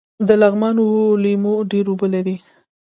د لغمان لیمو ډیر اوبه لري